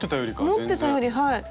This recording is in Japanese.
思ってたよりはい。